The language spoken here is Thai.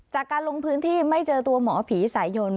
จากการลงพื้นที่ไม่เจอตัวหมอผีสายยน